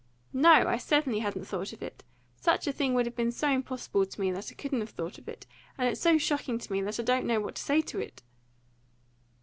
"No, I certainly hadn't thought of it! Such a thing would have been so impossible to me that I couldn't have thought of it; and it's so shocking to me now that I don't know what to say to it."